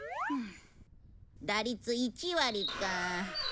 打率１割か。